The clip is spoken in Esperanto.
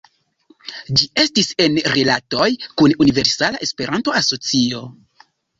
Ĝi estis en rilatoj kun Universala Esperanto-Asocio.